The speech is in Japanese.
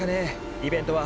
イベントは。